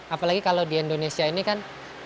apalagi kalau di indonesia ini kan